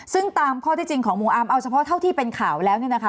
ซึ่งตามข้อที่จริงของหมู่อาร์มเอาเฉพาะเท่าที่เป็นข่าวแล้วเนี่ยนะคะ